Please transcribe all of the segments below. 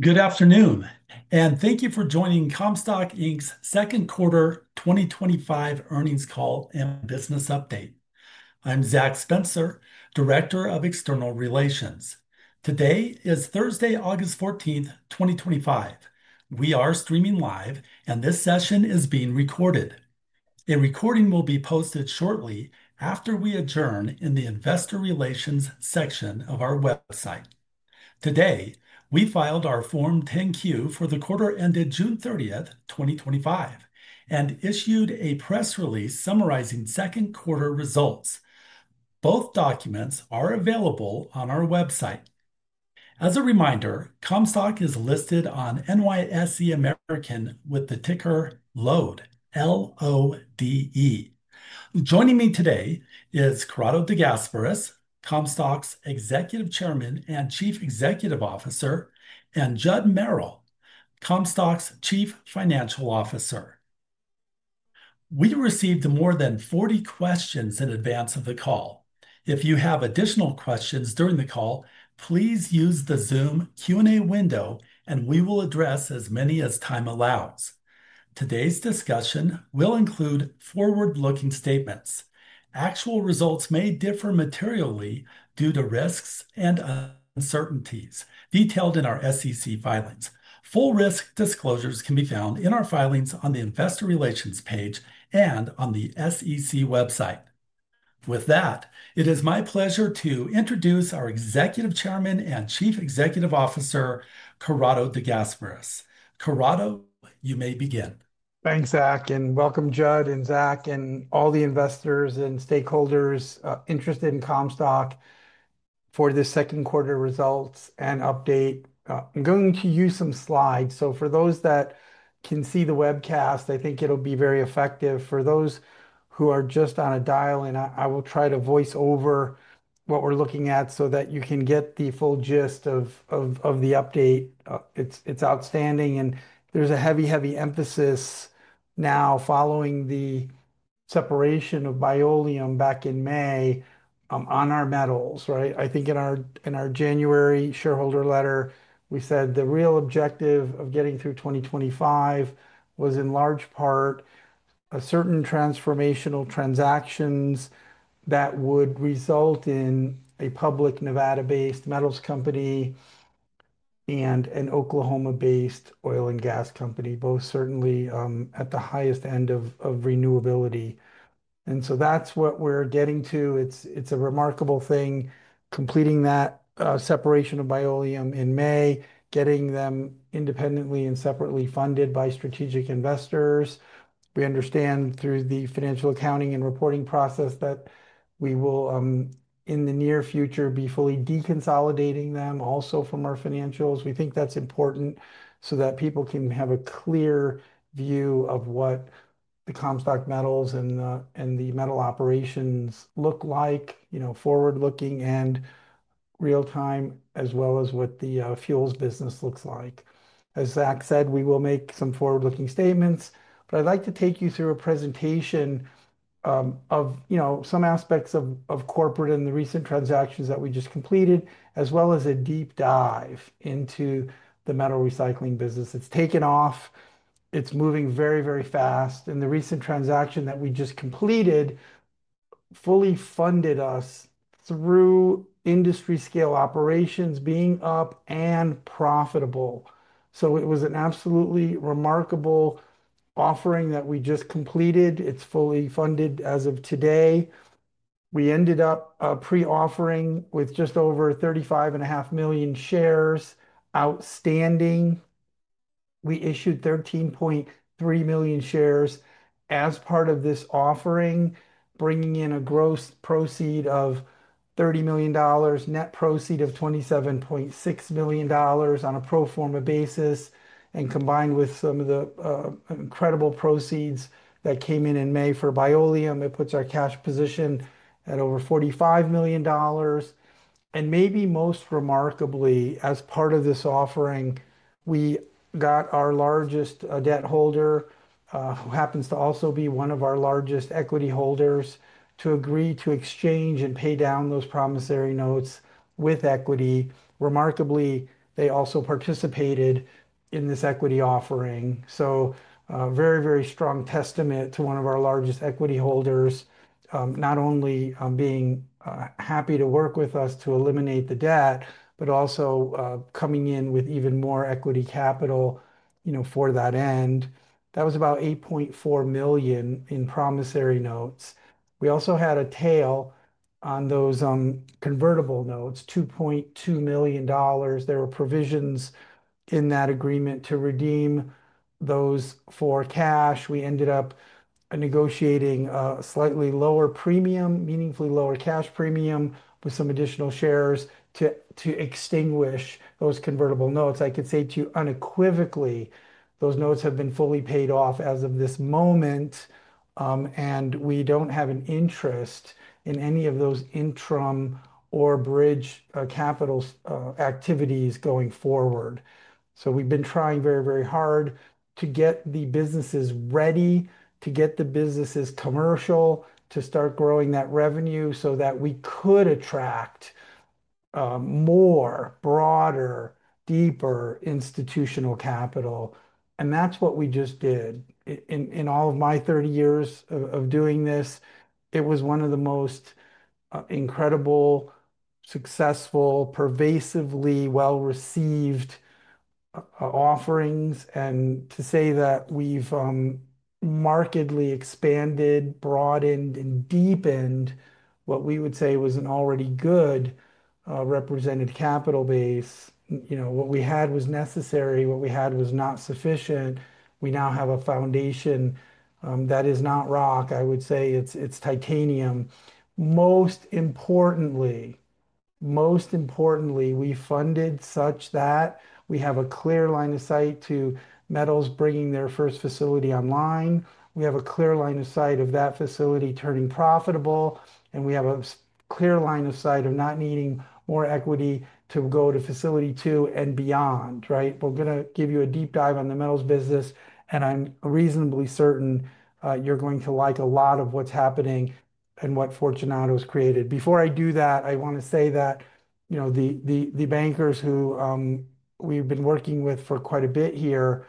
Good afternoon, and thank you for joining Comstock Inc.'s Second Quarter 2025 Earnings Call and Business Update. I'm Zach Spencer, Director of External Relations. Today is Thursday, August 14th, 2025. We are streaming live, and this session is being recorded. A recording will be posted shortly after we adjourn in the Investor Relations section of our website. Today, we filed our Form 10-Q for the quarter ended June 30th, 2025, and issued a press release summarizing second quarter results. Both documents are available on our website. As a reminder, Comstock is listed on NYSE American with the ticker LODE, L-O-D-E. Joining me today are Corrado De Gasperis, Comstock's Executive Chairman and Chief Executive Officer, and Judd Merrill, Comstock's Chief Financial Officer. We received more than 40 questions in advance of the call. If you have additional questions during the call, please use the Zoom Q&A window, and we will address as many as time allows. Today's discussion will include forward-looking statements. Actual results may differ materially due to risks and uncertainties detailed in our SEC filings. Full risk disclosures can be found in our filings on the Investor Relations page and on the SEC website. With that, it is my pleasure to introduce our Executive Chairman and Chief Executive Officer, Corrado De Gasperis. Corrado, you may begin. Thanks, Zach, and welcome, Judd and Zach and all the investors and stakeholders interested in Comstock for the second quarter results and update. I'm going to use some slides. For those that can see the webcast, I think it'll be very effective. For those who are just on a dial-in, I will try to voice over what we're looking at so that you can get the full gist of the update. It's outstanding, and there's a heavy, heavy emphasis now following the separation of Bioleum back in May on our metals. Right? I think in our January shareholder letter, we said the real objective of getting through 2025 was in large part certain transformational transactions that would result in a public Nevada-based metals company and an Oklahoma-based oil and gas company, both certainly at the highest end of renewability. That's what we're getting to. It's a remarkable thing completing that separation of Bioleum in May, getting them independently and separately funded by strategic investors. We understand through the financial accounting and reporting process that we will, in the near future, be fully deconsolidating them also from our financials. We think that's important so that people can have a clear view of what the Comstock Metals and the metal operations look like, you know, forward-looking and real-time, as well as what the fuels business looks like. As Zach said, we will make some forward-looking statements, but I'd like to take you through a presentation of, you know, some aspects of corporate and the recent transactions that we just completed, as well as a deep dive into the metal recycling business. It's taken off. It's moving very, very fast. The recent transaction that we just completed fully funded us through industry-scale operations being up and profitable. It was an absolutely remarkable offering that we just completed. It's fully funded as of today. We ended up pre-offering with just over 35.5 million shares outstanding. We issued 13.3 million shares as part of this offering, bringing in a gross proceed of $30 million, net proceed of $27.6 million on a pro forma basis, and combined with some of the incredible proceeds that came in in May for Bioleum, it puts our cash position at over $45 million. Maybe most remarkably, as part of this offering, we got our largest debt holder, who happens to also be one of our largest equity holders, to agree to exchange and pay down those promissory notes with equity. Remarkably, they also participated in this equity offering. A very, very strong testament to one of our largest equity holders, not only being happy to work with us to eliminate the debt, but also coming in with even more equity capital for that end. That was about $8.4 million in promissory notes. We also had a tail on those convertible notes, $2.2 million. There were provisions in that agreement to redeem those for cash. We ended up negotiating a slightly lower premium, meaningfully lower cash premium with some additional shares to extinguish those convertible notes. I could say to you unequivocally those notes have been fully paid off as of this moment, and we don't have an interest in any of those interim or bridge capital activities going forward. We have been trying very, very hard to get the businesses ready, to get the businesses commercial, to start growing that revenue so that we could attract more, broader, deeper institutional capital. That is what we just did. In all of my 30 years of doing this, it was one of the most incredible, successful, pervasively well-received offerings. To say that we've markedly expanded, broadened, and deepened what we would say was an already good represented capital base. What we had was necessary. What we had was not sufficient. We now have a foundation that is not rock. I would say it's titanium. Most importantly, we funded such that we have a clear line of sight to metals bringing their first facility online. We have a clear line of sight of that facility turning profitable, and we have a clear line of sight of not needing more equity to go to facility two and beyond. We're going to give you a deep dive on the metals business, and I'm reasonably certain you're going to like a lot of what's happening and what Fortunato's created. Before I do that, I want to say that the bankers who we've been working with for quite a bit here,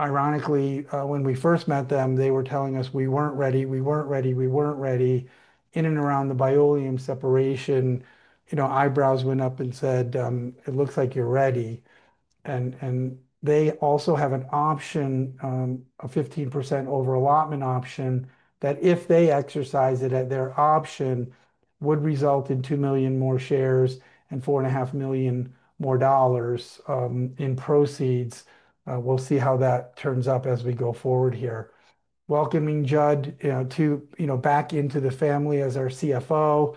ironically, when we first met them, they were telling us we weren't ready, we weren't ready, we weren't ready. In and around the Bioleum separation, eyebrows went up and said, it looks like you're ready. They also have an option, a 15% overallotment option, that if they exercise it at their option would result in 2 million more shares and $4.5 million more dollars in proceeds. We'll see how that turns up as we go forward here. Welcoming Judd to back into the family as our CFO.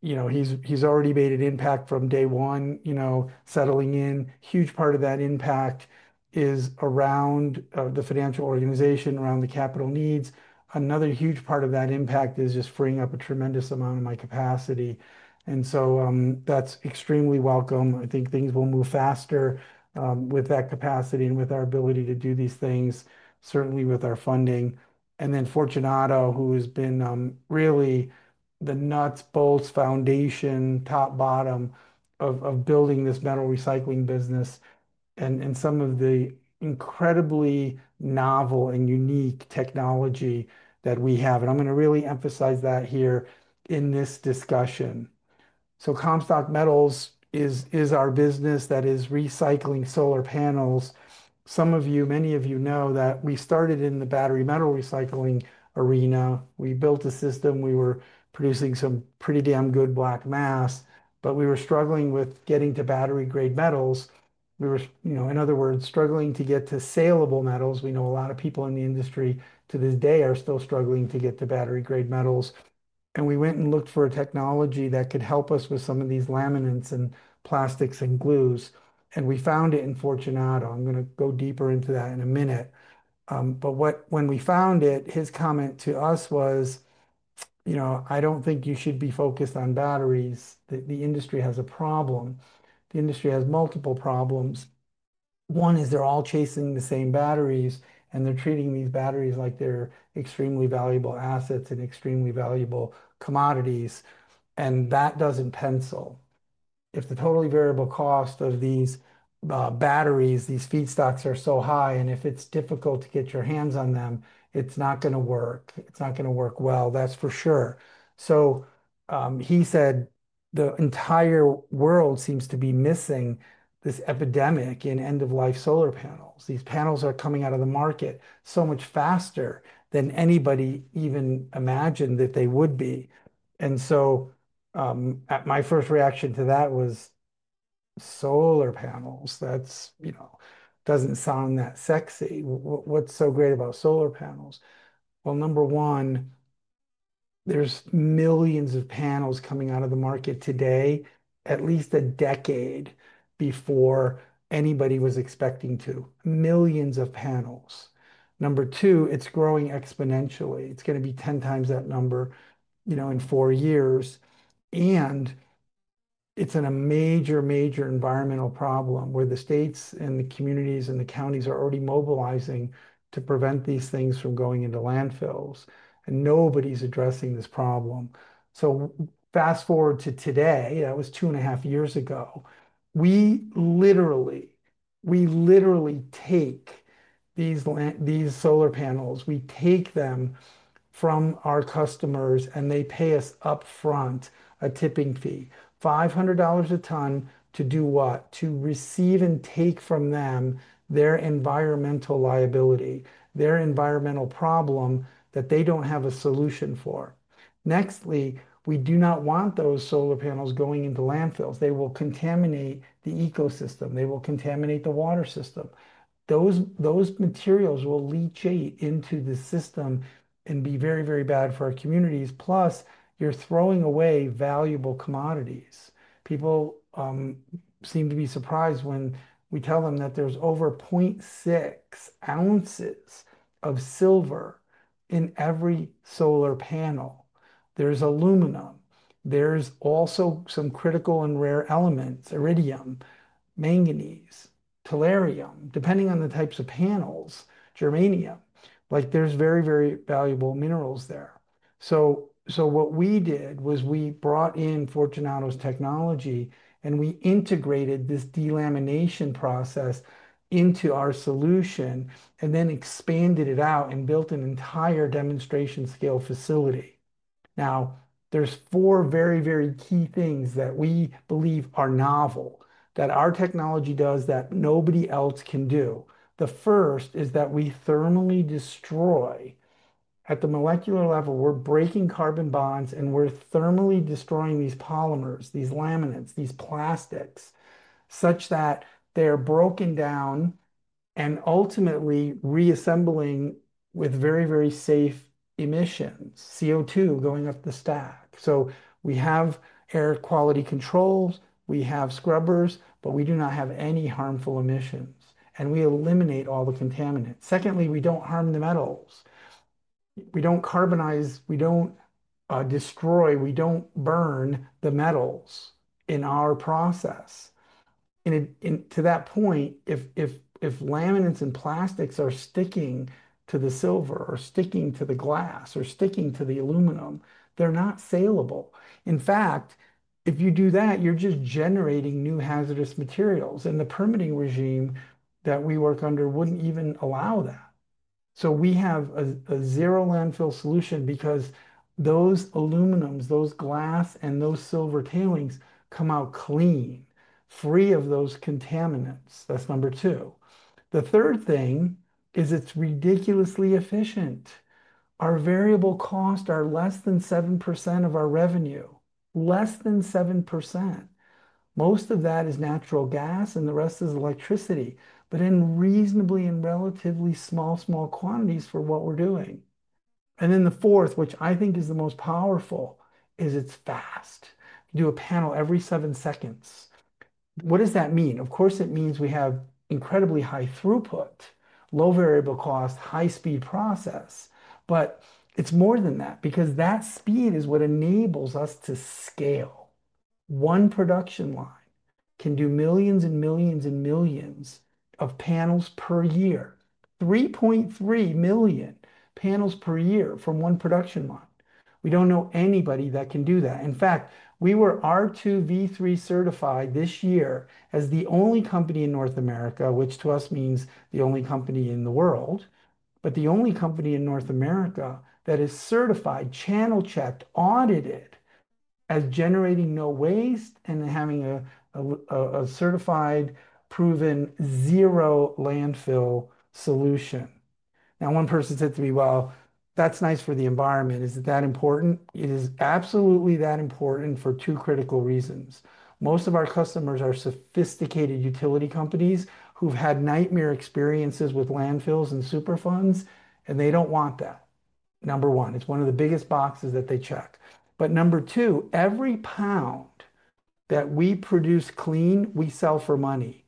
He's already made an impact from day one, settling in. A huge part of that impact is around the financial organization, around the capital needs. Another huge part of that impact is just freeing up a tremendous amount of my capacity. That's extremely welcome. I think things will move faster with that capacity and with our ability to do these things, certainly with our funding. Fortunato, who has been really the nuts and bolts, foundation, top to bottom of building this metal recycling business and some of the incredibly novel and unique technology that we have. I'm going to really emphasize that here in this discussion. Comstock Metals is our business that is recycling solar panels. Some of you, many of you know that we started in the battery metal recycling arena. We built a system. We were producing some pretty damn good black mass, but we were struggling with getting to battery-grade metals. We were, in other words, struggling to get to saleable metals. We know a lot of people in the industry to this day are still struggling to get to battery-grade metals. We went and looked for a technology that could help us with some of these laminates and plastics and glues. We found it in Fortunato. I'm going to go deeper into that in a minute. When we found it, his comment to us was, I don't think you should be focused on batteries. The industry has a problem. The industry has multiple problems. One is they're all chasing the same batteries, and they're treating these batteries like they're extremely valuable assets and extremely valuable commodities. That doesn't pencil. If the totally variable cost of these batteries, these feedstocks are so high, and if it's difficult to get your hands on them, it's not going to work. It's not going to work well, that's for sure. He said the entire world seems to be missing this epidemic in end-of-life solar panels. These panels are coming out of the market so much faster than anybody even imagined that they would be. My first reaction to that was solar panels. That doesn't sound that sexy. What's so great about solar panels? Number one, there's millions of panels coming out of the market today, at least a decade before anybody was expecting to. Millions of panels. Number two, it's growing exponentially. It's going to be 10x that number in four years. It's a major, major environmental problem where the states, the communities, and the counties are already mobilizing to prevent these things from going into landfills. Nobody's addressing this problem. Fast forward to today. That was two and a half years ago. We literally take these solar panels, we take them from our customers, and they pay us upfront a tipping fee, $500 a ton, to do what? To receive and take from them their environmental liability, their environmental problem that they don't have a solution for. We do not want those solar panels going into landfills. They will contaminate the ecosystem. They will contaminate the water system. Those materials will leachate into the system and be very, very bad for our communities. Plus, you're throwing away valuable commodities. People seem to be surprised when we tell them that there's over 0.6 ounces of silver in every solar panel. There's aluminum. There's also some critical and rare elements: iridium, manganese, tellurium, depending on the types of panels, germanium. There are very, very valuable minerals there. What we did was we brought in Fortunato's technology, and we integrated this delamination process into our solution and then expanded it out and built an entire demonstration scale facility. There are four very, very key things that we believe are novel that our technology does that nobody else can do. The first is that we thermally destroy, at the molecular level, we're breaking carbon bonds, and we're thermally destroying these polymers, these laminates, these plastics, such that they're broken down and ultimately reassembling with very, very safe emissions, CO2 going up the stack. We have air quality controls, we have scrubbers, but we do not have any harmful emissions, and we eliminate all the contaminants. Secondly, we don't harm the metals. We don't carbonize, we don't destroy, we don't burn the metals in our process. To that point, if laminates and plastics are sticking to the silver or sticking to the glass or sticking to the aluminum, they're not saleable. In fact, if you do that, you're just generating new hazardous materials, and the permitting regime that we work under wouldn't even allow that. We have a zero-landfill solution because those aluminums, those glass, and those silver tailings come out clean, free of those contaminants. That's number two. The third thing is it's ridiculously efficient. Our variable costs are less than 7% of our revenue, less than 7%. Most of that is natural gas, and the rest is electricity, but in reasonably and relatively small, small quantities for what we're doing. The fourth, which I think is the most powerful, is it's fast. We do a panel every seven seconds. What does that mean? Of course, it means we have incredibly high throughput, low variable cost, high-speed process. It's more than that because that speed is what enables us to scale. One production line can do millions and millions and millions of panels per year, 3.3 million panels per year from one production line. We don't know anybody that can do that. In fact, we were R2v3 certified this year as the only company in North America, which to us means the only company in the world, but the only company in North America that is certified, channel checked, audited as generating no waste and having a certified, proven zero-landfill solution. One person said to me, that's nice for the environment. Is it that important? It is absolutely that important for two critical reasons. Most of our customers are sophisticated utility companies who've had nightmare experiences with landfills and super funds, and they don't want that. Number one, it's one of the biggest boxes that they check. Number two, every pound that we produce clean, we sell for money.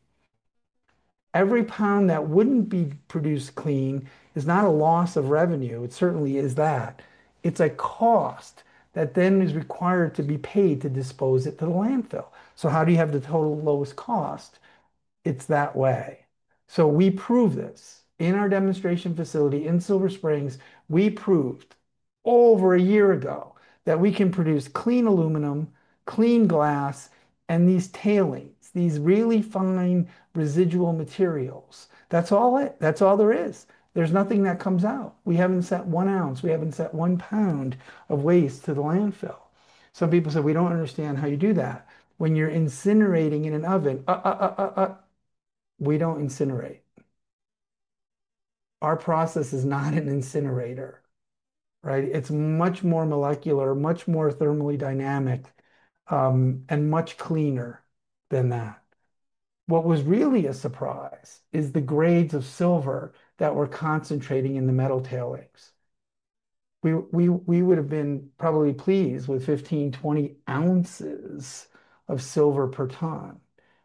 Every pound that wouldn't be produced clean is not a loss of revenue. It certainly is that. It's a cost that then is required to be paid to dispose it to the landfill. How do you have the total lowest cost? It's that way. We proved this in our demonstration facility in Silver Springs, Nevada. We proved over a year ago that we can produce clean aluminum, clean glass, and these tailings, these really fine residual materials. That's all it. That's all there is. There's nothing that comes out. We haven't sent one ounce. We haven't sent one pound of waste to the landfill. Some people say they don't understand how you do that when you're incinerating in an oven. We don't incinerate. Our process is not an incinerator. It's much more molecular, much more thermally dynamic, and much cleaner than that. What was really a surprise is the grades of silver that we're concentrating in the metal tailings. We would have been probably pleased with 15 ounces, 20 ounces of silver per ton.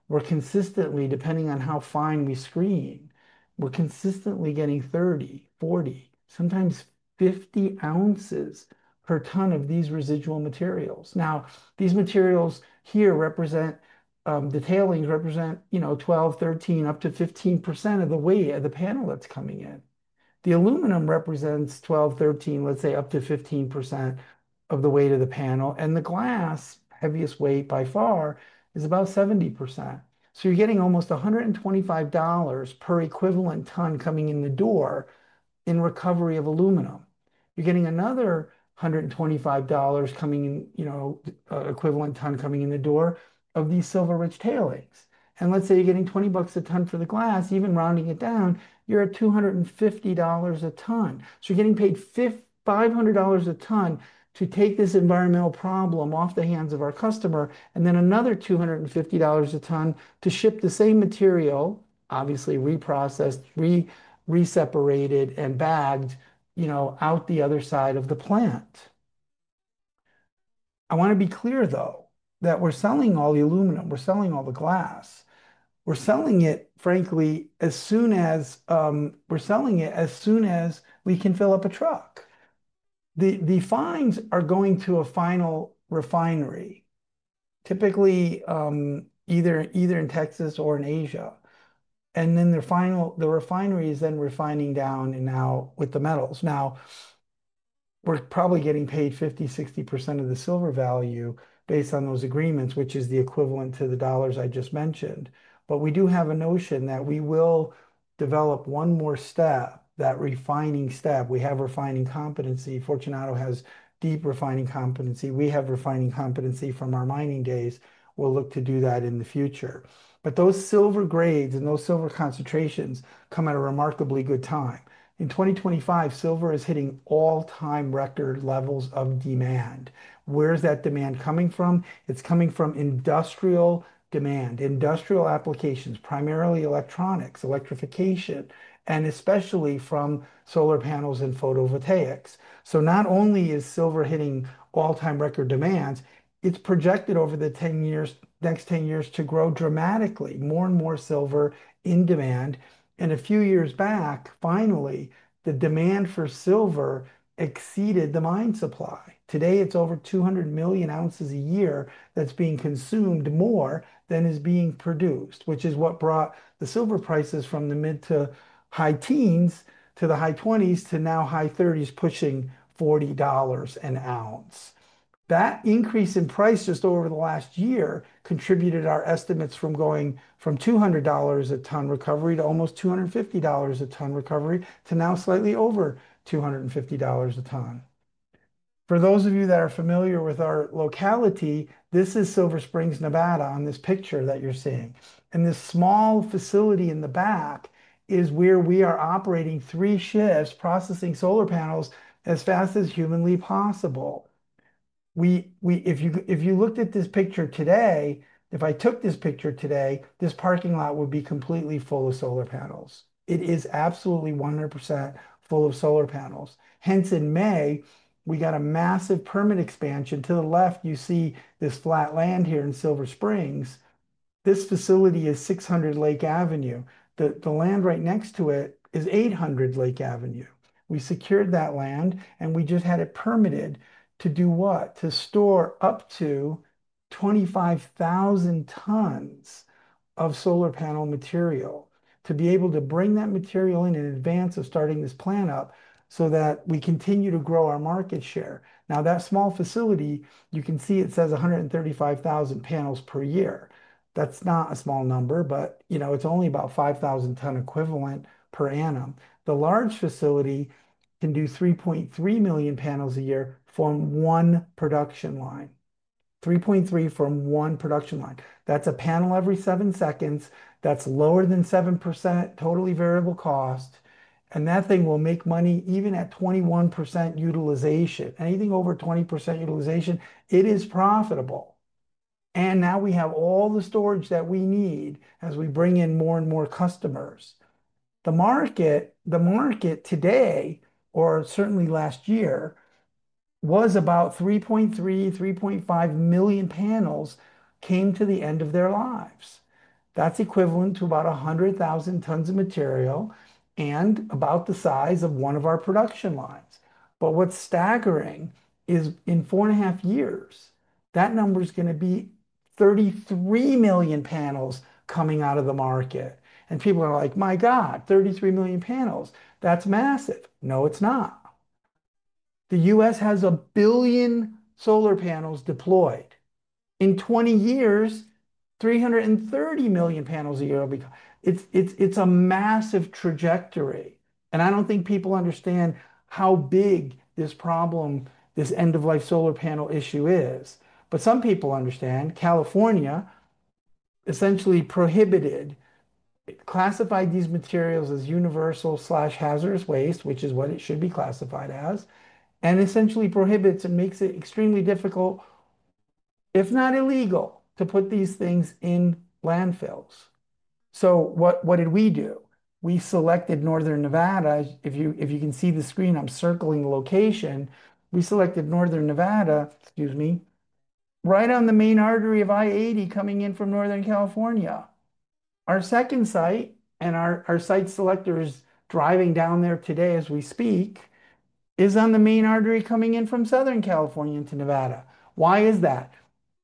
We're consistently, depending on how fine we screen, we're consistently getting 30 ounces, 40 ounces, sometimes 50 ounces per ton of these residual materials. Now, these materials here represent the tailings, represent, you know, 12%, 13%, up to 15% of the weight of the panel that's coming in. The aluminum represents 12%, 13%, let's say up to 15% of the weight of the panel, and the glass, heaviest weight by far, is about 70%. You're getting almost $125 per equivalent ton coming in the door in recovery of aluminum. You're getting another $125 coming in, you know, equivalent ton coming in the door of these silver-rich tailings. Let's say you're getting $20 a ton for the glass, even rounding it down, you're at $250 a ton. You're getting paid $500 a ton to take this environmental problem off the hands of our customer, and then another $250 a ton to ship the same material, obviously reprocessed, re-separated, and bagged, you know, out the other side of the plant. I want to be clear, though, that we're selling all the aluminum. We're selling all the glass. We're selling it, frankly, as soon as we're selling it, as soon as we can fill up a truck. The fines are going to a final refinery, typically either in Texas or in Asia. The refinery is then refining down and out with the metals. We're probably getting paid 50%, 60% of the silver value based on those agreements, which is the equivalent to the dollars I just mentioned. We do have a notion that we will develop one more step, that refining step. We have refining competency. Fortunato has deep refining competency. We have refining competency from our mining days. We'll look to do that in the future. Those silver grades and those silver concentrations come at a remarkably good time. In 2025, silver is hitting all-time record levels of demand. Where is that demand coming from? It's coming from industrial demand, industrial applications, primarily electronics, electrification, and especially from solar panels and photovoltaics. Not only is silver hitting all-time record demands, it's projected over the next 10 years to grow dramatically, more and more silver in demand. A few years back, finally, the demand for silver exceeded the mine supply. Today, it's over 200 million ounces a year that's being consumed more than is being produced, which is what brought the silver prices from the mid to high teens to the high 20s to now high 30s pushing $40 an ounce. That increase in price just over the last year contributed to our estimates from going from $200 a ton recovery to almost $250 a ton recovery to now slightly over $250 a ton. For those of you that are familiar with our locality, this is Silver Springs, Nevada, on this picture that you're seeing. This small facility in the back is where we are operating three shifts, processing solar panels as fast as humanly possible. If you looked at this picture today, if I took this picture today, this parking lot would be completely full of solar panels. It is absolutely 100% full of solar panels. Hence, in May, we got a massive permit expansion. To the left, you see this flat land here in Silver Springs. This facility is 600 Lake Avenue. The land right next to it is 800 Lake Avenue. We secured that land, and we just had it permitted to do what? To store up to 25,000 tons of solar panel material, to be able to bring that material in in advance of starting this plant up so that we continue to grow our market share. Now, that small facility, you can see it says 135,000 panels per year. That's not a small number, but you know, it's only about 5,000 ton equivalent per annum. The large facility can do 3.3 million panels a year from one production line. 3.3 from one production line. That's a panel every seven seconds. That's lower than 7% totally variable cost. That thing will make money even at 21% utilization. Anything over 20% utilization, it is profitable. Now we have all the storage that we need as we bring in more and more customers. The market today, or certainly last year, was about 3.3 million, 3.5 million panels came to the end of their lives. That's equivalent to about 100,000 tons of material and about the size of one of our production lines. What's staggering is in four and a half years, that number is going to be 33 million panels coming out of the market. People are like, my god, 33 million panels, that's massive. No, it's not. The U.S. has a billion solar panels deployed. In 20 years, 330 million panels a year. It's a massive trajectory. I don't think people understand how big this problem, this end-of-life solar panel issue is. Some people understand California essentially prohibited, classified these materials as universal/hazardous waste, which is what it should be classified as, and essentially prohibits and makes it extremely difficult, if not illegal, to put these things in landfills. What did we do? We selected Northern Nevada. If you can see the screen, I'm circling the location. We selected Northern Nevada, right on the main artery of I-80 coming in from Northern California. Our second site, and our site selector is driving down there today as we speak, is on the main artery coming in from Southern California into Nevada. Why is that?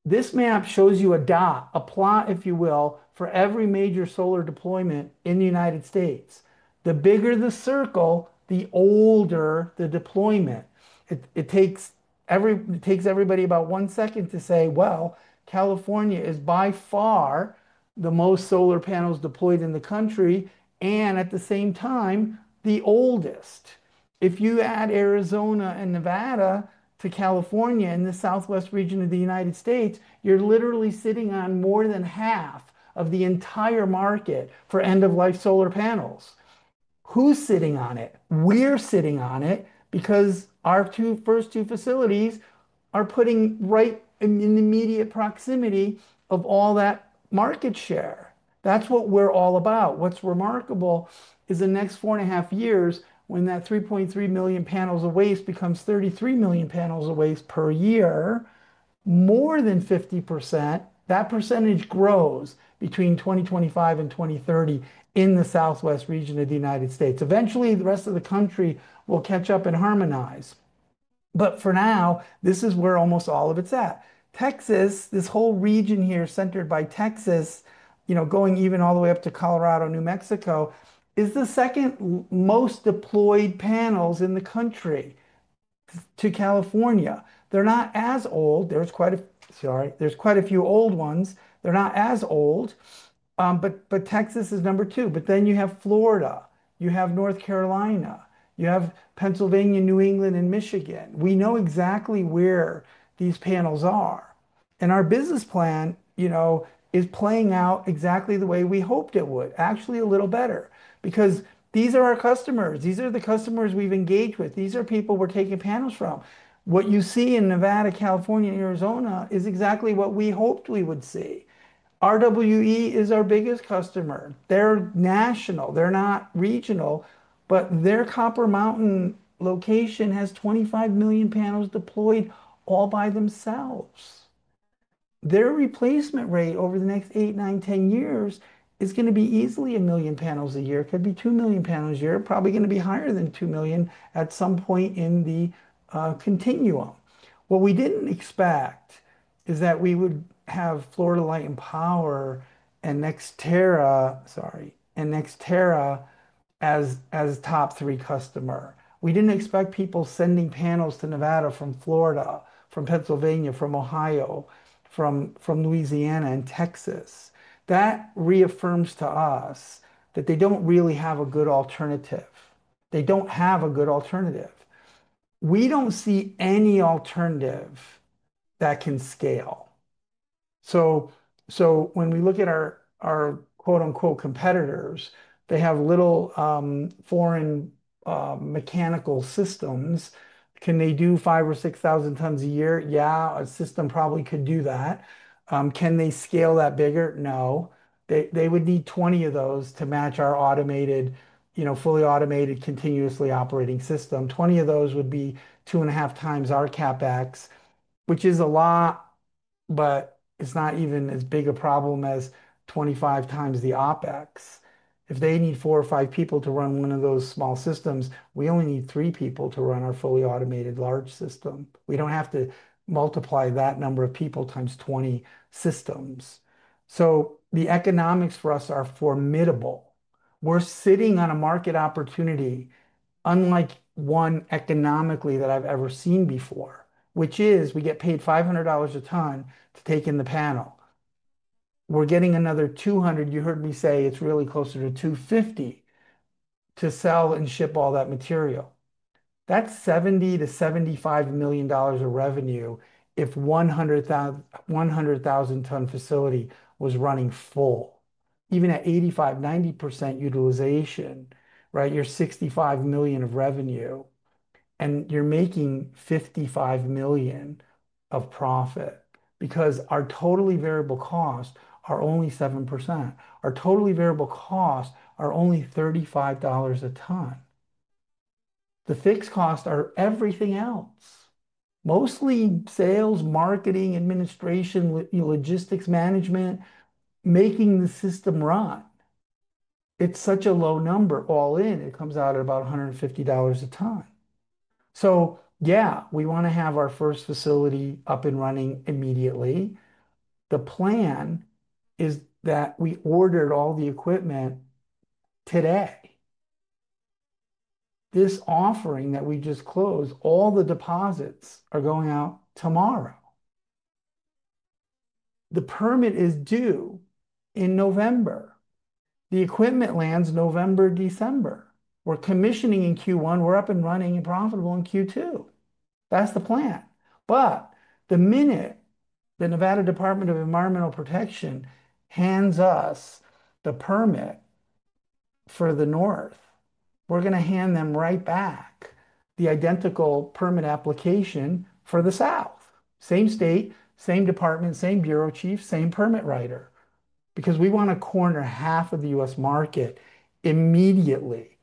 This map shows you a dot, a plot, if you will, for every major solar deployment in the United States. The bigger the circle, the older the deployment. It takes everybody about one second to say, California is by far the most solar panels deployed in the country, and at the same time, the oldest. If you add Arizona and Nevada to California in the Southwest United States. region, you're literally sitting on more than half of the entire market for end-of-life solar panels. Who's sitting on it? We're sitting on it because our first two facilities are putting right in the immediate proximity of all that market share. That's what we're all about. What's remarkable is in the next four and a half years, when that 3.3 million panels of waste becomes 33 million panels of waste per year, more than 50%, that percentage grows between 2025 and 2030 in the Southwest United States. region. Eventually, the rest of the country will catch up and harmonize. For now, this is where almost all of it's at. Texas, this whole region here centered by Texas, going even all the way up to Colorado, New Mexico, is the second most deployed panels in the country to California. They're not as old. There's quite a few old ones. They're not as old. Texas is number two. Then you have Florida. You have North Carolina. You have Pennsylvania, New England, and Michigan. We know exactly where these panels are. Our business plan is playing out exactly the way we hoped it would, actually a little better, because these are our customers. These are the customers we've engaged with. These are people we're taking panels from. What you see in Nevada, California, and Arizona is exactly what we hoped we would see. RWE is our biggest customer. They're national. They're not regional. Their Copper Mountain location has 25 million panels deployed all by themselves. Their replacement rate over the next eight, nine, ten years is going to be easily a million panels a year. It could be 2 million panels a year. Probably going to be higher than 2 million at some point in the continuum. What we didn't expect is that we would have Florida Power & Light and NextEra, sorry, and NextEra as top three customers. We didn't expect people sending panels to Nevada from Florida, from Pennsylvania, from Ohio, from Louisiana, and Texas. That reaffirms to us that they don't really have a good alternative. They don't have a good alternative. We don't see any alternative that can scale. When we look at our quote-unquote competitors, they have little foreign mechanical systems. Can they do 5,000 tons or 6,000 tons a year? Yeah, a system probably could do that. Can they scale that bigger? No. They would need 20 of those to match our automated, you know, fully automated, continuously operating system. 20 of those would be two and a half times our CapEx, which is a lot, but it's not even as big a problem as 25x the OpEx. If they need four or five people to run one of those small systems, we only need three people to run our fully automated large system. We don't have to multiply that number of people times 20 systems. The economics for us are formidable. We're sitting on a market opportunity unlike one economically that I've ever seen before, which is we get paid $500 a ton to take in the panel. We're getting another $200, you heard me say, it's really closer to $250 to sell and ship all that material. That's $70 million-$75 million of revenue if a 100,000-ton facility was running full. Even at 85%, 90% utilization, right, you're at $65 million of revenue, and you're making $55 million of profit because our totally variable costs are only 7%. Our totally variable costs are only $35 a ton. The fixed costs are everything else, mostly sales, marketing, administration, logistics, management, making the system run. It's such a low number all in. It comes out at about $150 a ton. Yeah, we want to have our first facility up and running immediately. The plan is that we ordered all the equipment today. This offering that we just closed, all the deposits are going out tomorrow. The permit is due in November. The equipment lands November, December. We're commissioning in Q1. We're up and running and profitable in Q2. That's the plan. The minute the Nevada Department of Environmental Protection hands us the permit for the North, we're going to hand them right back the identical permit application for the South. Same state, same department, same bureau chief, same permit writer, because we want to corner half of the U.S. market immediately.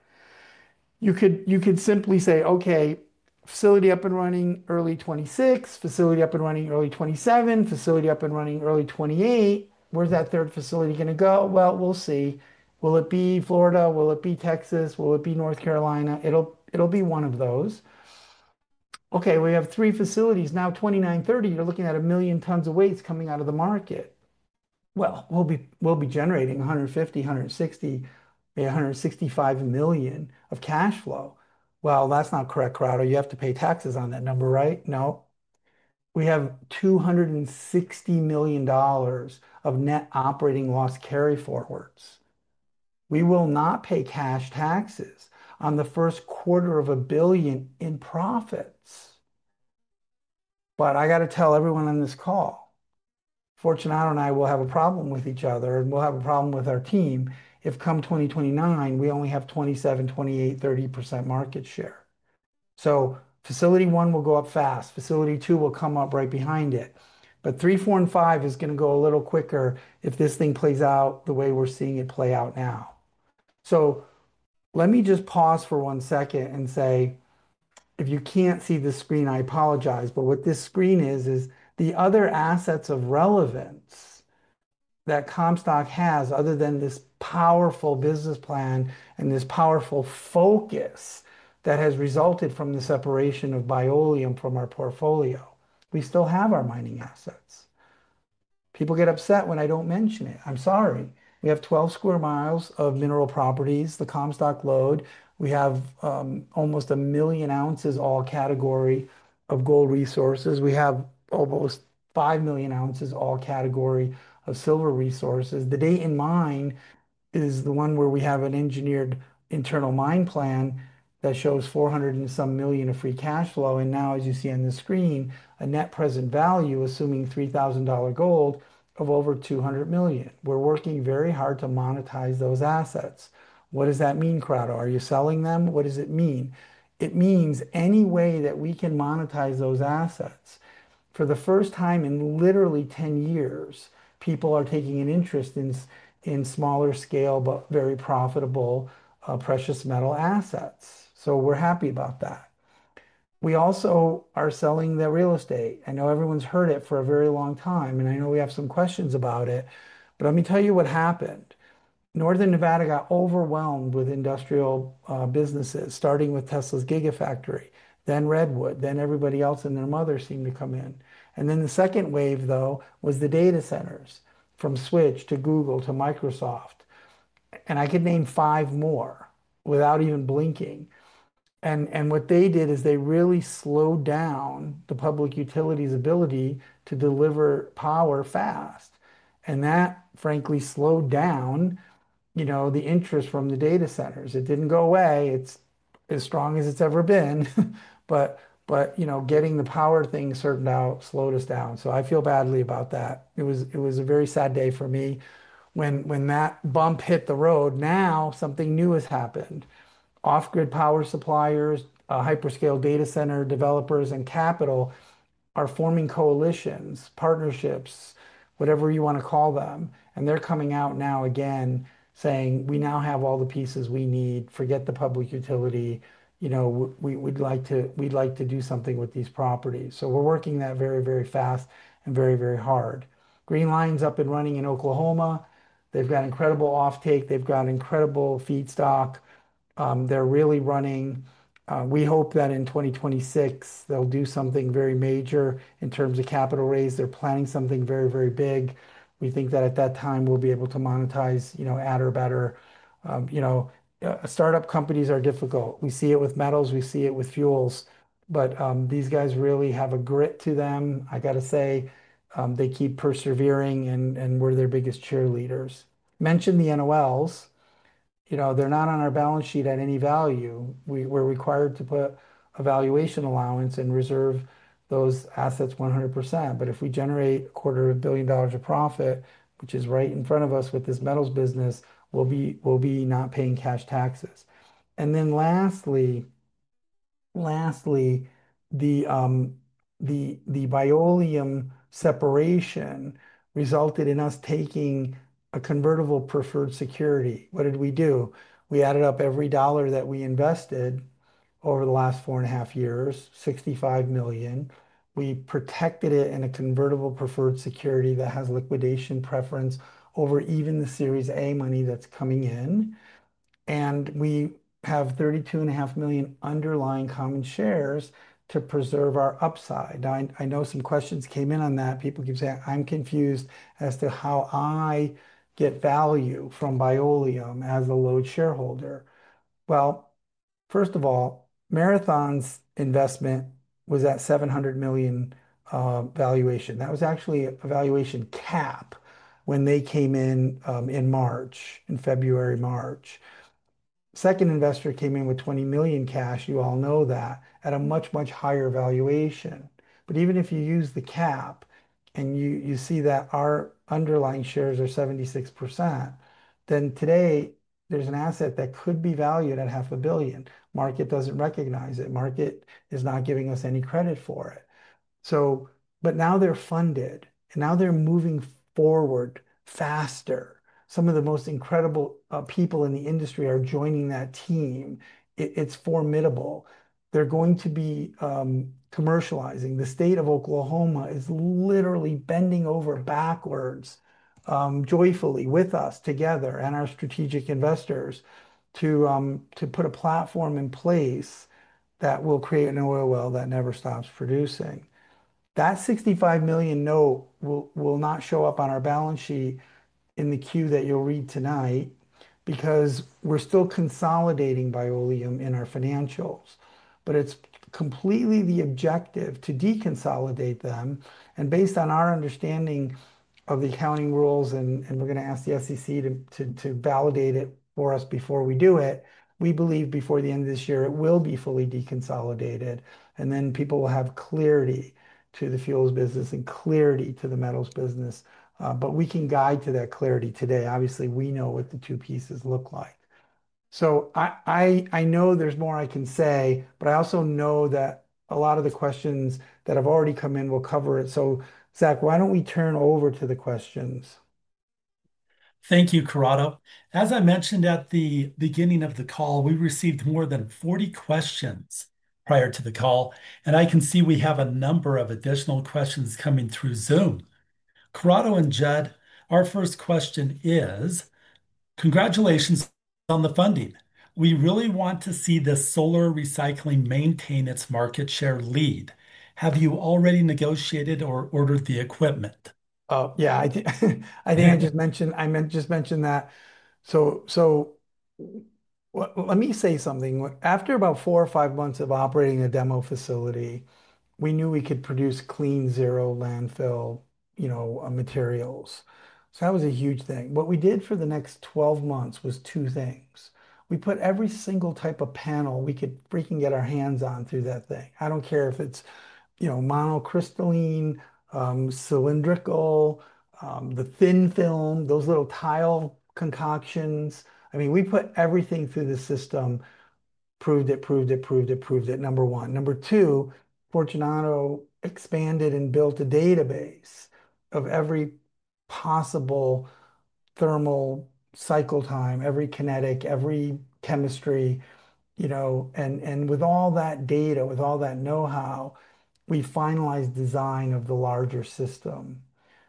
You could simply say, okay, facility up and running early 2026, facility up and running early 2027, facility up and running early 2028. Where's that third facility going to go? We'll see. Will it be Florida? Will it be Texas? Will it be North Carolina? It'll be one of those. Okay, we have three facilities. Now, 2029, 2030, you're looking at a million tons of waste coming out of the market. We'll be generating $150 million, $160 million, $165 million of cash flow. That's not correct, Corrado. You have to pay taxes on that number, right? Nope. We have $260 million of net operating loss carryforwards. We will not pay cash taxes on the first quarter of a billion in profits. I got to tell everyone on this call, Fortunato and I will have a problem with each other, and we'll have a problem with our team if come 2029, we only have 27%, 28%, 30% market share. Facility one will go up fast. Facility two will come up right behind it. Three, four, and five is going to go a little quicker if this thing plays out the way we're seeing it play out now. Let me just pause for one second and say, if you can't see this screen, I apologize. What this screen is, is the other assets of relevance that Comstock Inc. has. Other than this powerful business plan and this powerful focus that has resulted from the separation of Bioleum from our portfolio, we still have our mining assets. People get upset when I don't mention it. I'm sorry. We have 12 sq mi of mineral properties, the Comstock load. We have almost a million ounces all category of gold resources. We have almost 5 million ounces all category of silver resources. The date in mind is the one where we have an engineered internal mine plan that shows $400 million and some of free cash flow. Now, as you see on the screen, a net present value, assuming $3,000 gold, of over $200 million. We're working very hard to monetize those assets. What does that mean, Corrado? Are you selling them? What does it mean? It means any way that we can monetize those assets. For the first time in literally 10 years, people are taking an interest in smaller scale, but very profitable precious metal assets. We're happy about that. We also are selling the real estate. I know everyone's heard it for a very long time, and I know we have some questions about it, but let me tell you what happened. Northern Nevada got overwhelmed with industrial businesses, starting with Tesla's Gigafactory, then Redwood, then everybody else and their mother seemed to come in. The second wave, though, was the data centers from Switch to Google to Microsoft. I could name five more without even blinking. What they did is they really slowed down the public utility's ability to deliver power fast. That, frankly, slowed down the interest from the data centers. It didn't go away. It's as strong as it's ever been. Getting the power thing certainly slowed us down. I feel badly about that. It was a very sad day for me when that bump hit the road. Now, something new has happened. Off-grid power suppliers, hyperscale data center developers, and capital are forming coalitions, partnerships, whatever you want to call them. They're coming out now again saying, we now have all the pieces we need. Forget the public utility. We'd like to do something with these properties. We're working that very, very fast and very, very hard. Green Line's up and running in Oklahoma. They've got incredible off-take. They've got incredible feedstock. They're really running. We hope that in 2026, they'll do something very major in terms of capital raise. They're planning something very, very big. We think that at that time, we'll be able to monetize, you know, at or better. Startup companies are difficult. We see it with metals. We see it with fuels. These guys really have a grit to them. I got to say, they keep persevering, and we're their biggest cheerleaders. Mention the NOLs. They're not on our balance sheet at any value. We're required to put a valuation allowance and reserve those assets 100%. If we generate $250 million of profit, which is right in front of us with this metals business, we'll be not paying cash taxes. Lastly, the Bioleum separation resulted in us taking a convertible preferred security. What did we do? We added up every dollar that we invested over the last four and a half years, $65 million. We protected it in a convertible preferred security that has liquidation preference over even the Series A money that's coming in. We have $32.5 million underlying common shares to preserve our upside. I know some questions came in on that. People keep saying, I'm confused as to how I get value from Bioleum as a low shareholder. First of all, Marathon's investment was at a $700 million valuation. That was actually a valuation cap when they came in in February, March. The second investor came in with $20 million cash, you all know that, at a much, much higher valuation. Even if you use the cap and you see that our underlying shares are 76%, then today there's an asset that could be valued at half a billion. Market doesn't recognize it. Market is not giving us any credit for it. Now they're funded, and now they're moving forward faster. Some of the most incredible people in the industry are joining that team. It's formidable. They're going to be commercializing. The state of Oklahoma is literally bending over backwards joyfully with us together and our strategic investors to put a platform in place that will create an oil well that never stops producing. That $65 million note will not show up on our balance sheet in the queue that you'll read tonight because we're still consolidating Bioleum in our financials. It's completely the objective to deconsolidate them. Based on our understanding of the accounting rules, and we're going to ask the SEC to validate it for us before we do it, we believe before the end of this year it will be fully deconsolidated. People will have clarity to the fuels business and clarity to the metals business. We can guide to that clarity today. Obviously, we know what the two pieces look like. I know there's more I can say, but I also know that a lot of the questions that have already come in will cover it. Zach, why don't we turn over to the questions? Thank you, Corrado. As I mentioned at the beginning of the call, we received more than 40 questions prior to the call. I can see we have a number of additional questions coming through Zoom. Corrado and Judd, our first question is, congratulations on the funding. We really want to see the solar recycling maintain its market share lead. Have you already negotiated or ordered the equipment? Oh. Yeah, I think I just mentioned that. Let me say something. After about four or five months of operating a demo facility, we knew we could produce clean zero-landfill materials. That was a huge thing. What we did for the next 12 months was two things. We put every single type of panel we could get our hands on through that thing. I don't care if it's monocrystalline, cylindrical, the thin film, those little tile concoctions. We put everything through the system, proved it, proved it, proved it, proved it. Number one. Number two, Fortunato expanded and built a database of every possible thermal cycle time, every kinetic, every chemistry, and with all that data, with all that know-how, we finalized the design of the larger system.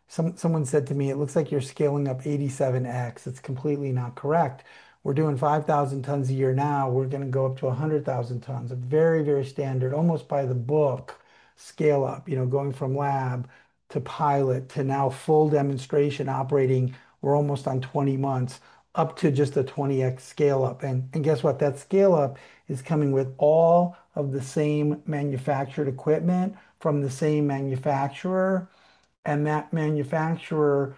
Someone said to me, it looks like you're scaling up 87x. It's completely not correct. We're doing 5,000 tons a year now. We're going to go up to 100,000 tons, a very, very standard, almost by the book scale-up, going from lab to pilot to now full demonstration operating. We're almost on 20 months up to just a 20x scale-up. Guess what? That scale-up is coming with all of the same manufactured equipment from the same manufacturer. That manufacturer,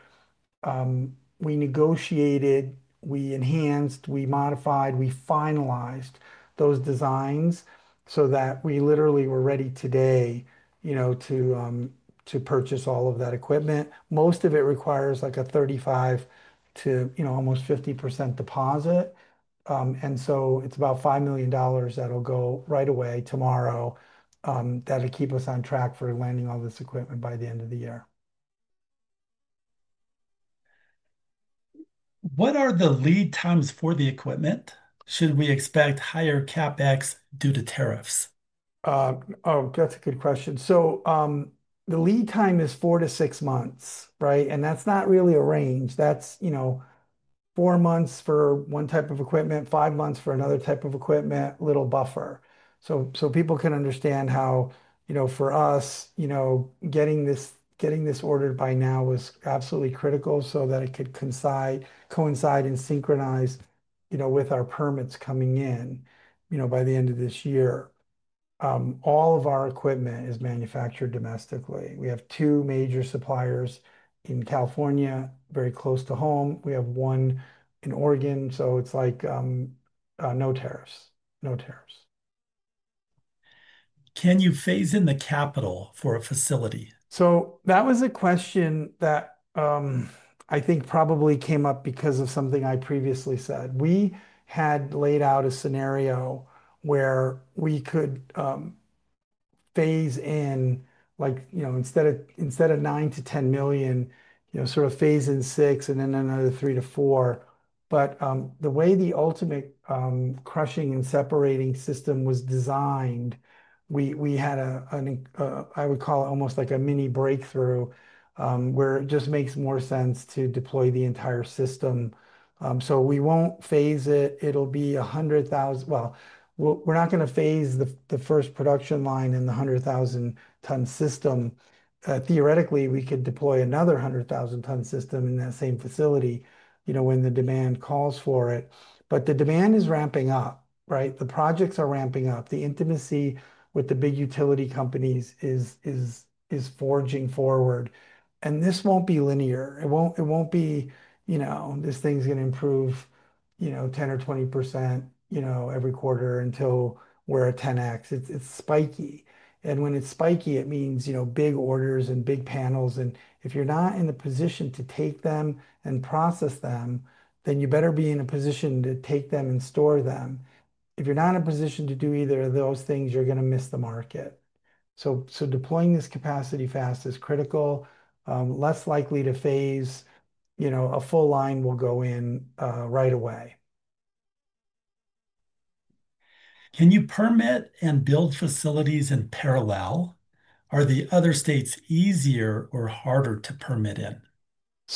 we negotiated, we enhanced, we modified, we finalized those designs so that we literally were ready today to purchase all of that equipment. Most of it requires like a 35% to almost 50% deposit. It's about $5 million that'll go right away tomorrow that'll keep us on track for landing all this equipment by the end of the year. What are the lead times for the equipment? Should we expect higher CapEx due to tariffs? Oh, that's a good question. The lead time is four to six months, right? That's not really a range. That's four months for one type of equipment, five months for another type of equipment, little buffer. People can understand how, for us, getting this ordered by now was absolutely critical so that it could coincide and synchronize with our permits coming in by the end of this year. All of our equipment is manufactured domestically. We have two major suppliers in California, very close to home. We have one in Oregon. It's like no tariffs, no tariffs. Can you phase in the capital for a facility? That was a question that I think probably came up because of something I previously said. We had laid out a scenario where we could phase in, like, you know, instead of $9 million-$10 million, sort of phase in VI and then another phase III to phase IV. The way the ultimate crushing and separating system was designed, we had, I would call it almost like a mini breakthrough where it just makes more sense to deploy the entire system. We won't phase it. It will be 100,000. We're not going to phase the first production line in the 100,000-ton system. Theoretically, we could deploy another 100,000-ton system in that same facility when the demand calls for it. The demand is ramping up, right? The projects are ramping up. The intimacy with the big utility companies is forging forward. This won't be linear. It won't be, you know, this thing's going to improve, you know, 10% or 20% every quarter until we're at 10x. It's spiky. When it's spiky, it means big orders and big panels. If you're not in a position to take them and process them, then you better be in a position to take them and store them. If you're not in a position to do either of those things, you're going to miss the market. Deploying this capacity fast is critical. Less likely to phase. A full line will go in right away. Can you permit and build facilities in parallel? Are the other states easier or harder to permit in?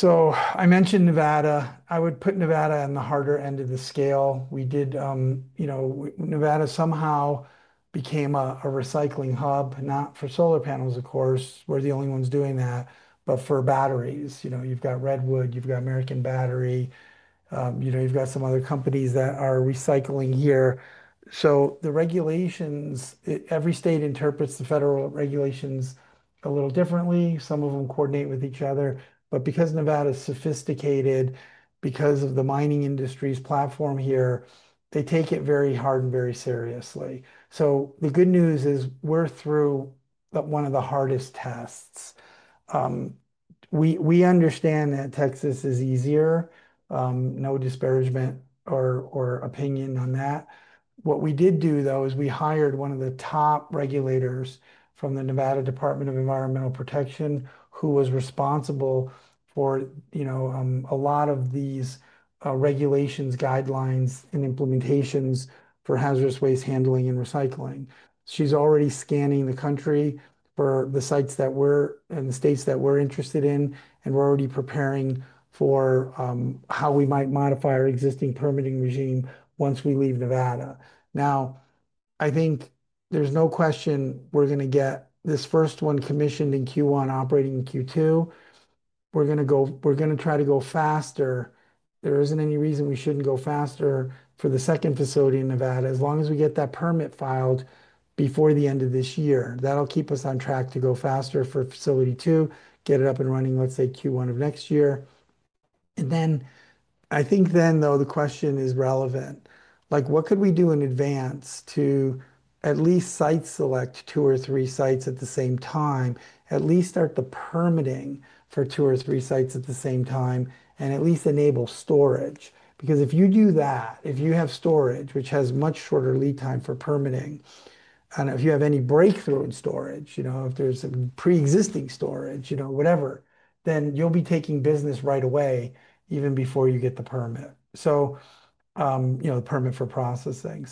I mentioned Nevada. I would put Nevada on the harder end of the scale. Nevada somehow became a recycling hub, not for solar panels, of course. We're the only ones doing that, but for batteries. You've got Redwood, you've got American Battery. You've got some other companies that are recycling here. The regulations, every state interprets the federal regulations a little differently. Some of them coordinate with each other. Because Nevada is sophisticated, because of the mining industry's platform here, they take it very hard and very seriously. The good news is we're through one of the hardest tests. We understand that Texas is easier. No disparagement or opinion on that. What we did do is we hired one of the top regulators from the Nevada Department of Environmental Protection, who was responsible for a lot of these regulations, guidelines, and implementations for hazardous waste handling and recycling. She's already scanning the country for the sites that we're in, the states that we're interested in, and we're already preparing for how we might modify our existing permitting regime once we leave Nevada. I think there's no question we're going to get this first one commissioned in Q1, operating in Q2. We're going to try to go faster. There isn't any reason we shouldn't go faster for the second facility in Nevada, as long as we get that permit filed before the end of this year. That'll keep us on track to go faster for facility two, get it up and running, let's say, Q1 of next year. I think the question is relevant. What could we do in advance to at least site select two or three sites at the same time, at least start the permitting for two or three sites at the same time, and at least enable storage? If you do that, if you have storage, which has much shorter lead time for permitting, and if you have any breakthrough in storage, if there's pre-existing storage, whatever, then you'll be taking business right away, even before you get the permit, the permit for processing.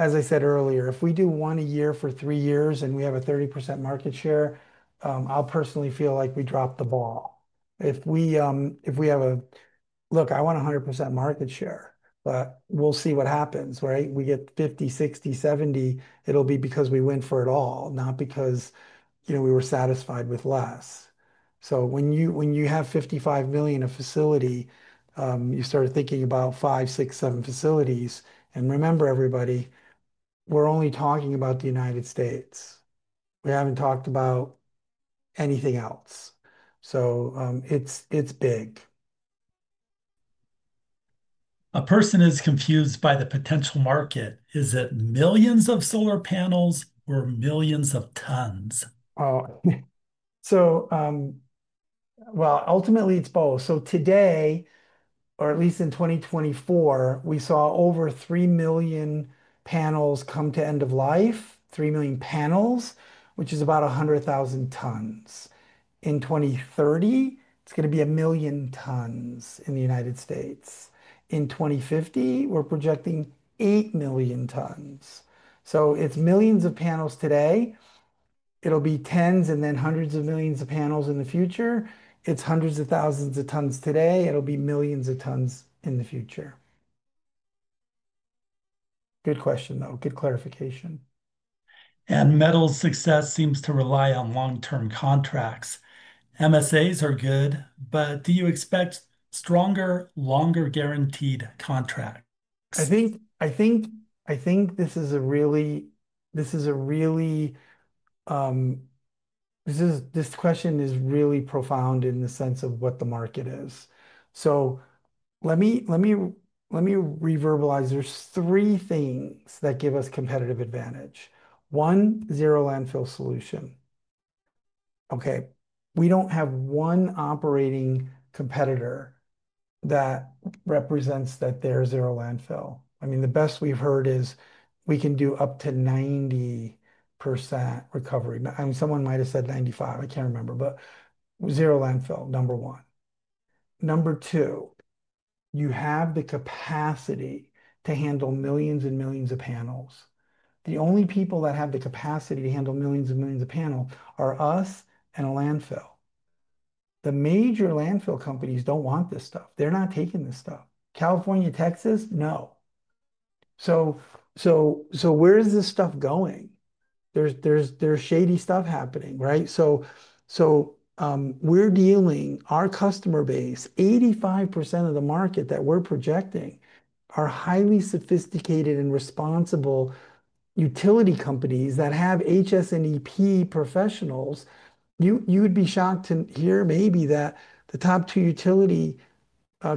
As I said earlier, if we do one a year for three years and we have a 30% market share, I'll personally feel like we dropped the ball. If we have a, look, I want 100% market share, but we'll see what happens, right? We get 50%, 60%, 70%, it'll be because we went for it all, not because we were satisfied with less. When you have $55 million of facility, you start thinking about five, six, seven facilities. Remember, everybody, we're only talking about the United States. We haven't talked about anything else. It's big. A person is confused by the potential market. Is it millions of solar panels or millions of tons? Ultimately, it's both. Today, or at least in 2024, we saw over 3 million panels come to end of life, 3 million panels, which is about 100,000 tons. In 2030, it's going to be a million tons in the United States. In 2050, we're projecting 8 million tons. It's millions of panels today. It'll be tens and then hundreds of millions of panels in the future. It's hundreds of thousands of tons today. It'll be millions of tons in the future. Good question, though. Good clarification. Metals' success seems to rely on long-term contracts. MSAs are good, but do you expect stronger, longer guaranteed contracts? I think this question is really profound in the sense of what the market is. Let me reverbalize. There are three things that give us competitive advantage. One, zero-landfill solution. We do not have one operating competitor that represents that there is zero landfill. The best we have heard is we can do up to 90% recovery. Someone might have said 95%. I cannot remember, but zero landfill, number one. Number two, you have the capacity to handle millions and millions of panels. The only people that have the capacity to handle millions and millions of panels are us and a landfill. The major landfill companies do not want this stuff. They are not taking this stuff. California, Texas, no. Where is this stuff going? There is shady stuff happening, right? We are dealing, our customer base, 85% of the market that we are projecting are highly sophisticated and responsible utility companies that have HS&EP professionals. You would be shocked to hear maybe that the top two utility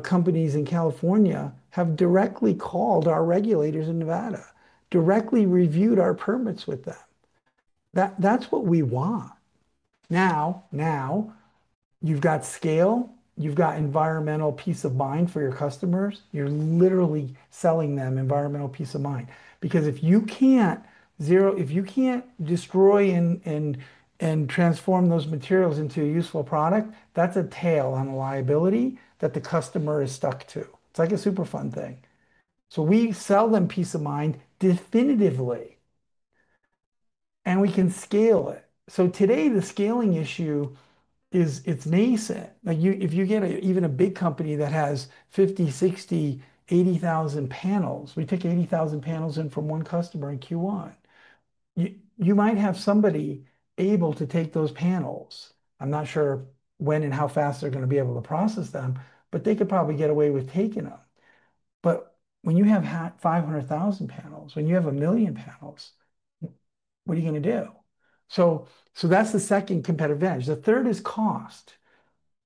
companies in California have directly called our regulators in Nevada, directly reviewed our permits with them. That is what we want. Now you have got scale, you have got environmental peace of mind for your customers. You are literally selling them environmental peace of mind. Because if you cannot zero, if you cannot destroy and transform those materials into a useful product, that is a tail on a liability that the customer is stuck to. It is like a superfund thing. We sell them peace of mind definitively. We can scale it. Today, the scaling issue is nascent. If you get even a big company that has 50,000, 60,000, 80,000 panels, we take 80,000 panels in from one customer in Q1. You might have somebody able to take those panels. I am not sure when and how fast they are going to be able to process them, but they could probably get away with taking them. When you have 500,000 panels, when you have a million panels, what are you going to do? That is the second competitive advantage. The third is cost.